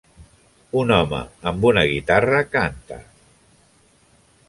Un home amb una guitarra canta